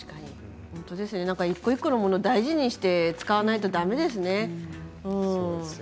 これ一個一個の物を大事にして使わないとだめですね。